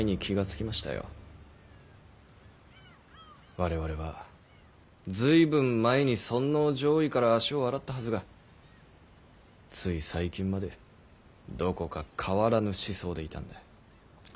我々は随分前に尊王攘夷から足を洗ったはずがつい最近までどこか変わらぬ思想でいたんだ。